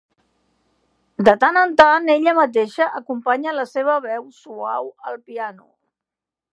De tant en tant ella mateixa acompanya la seva veu suau al piano.